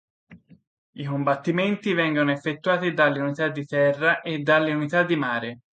I combattimenti vengono effettuati dalle unità di terra e dalle unità di mare.